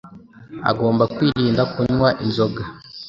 agomba kwirinda kunywa inzoga